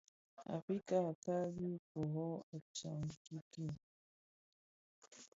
Afrika nʼl, a kali ki rö, a tsad king kii.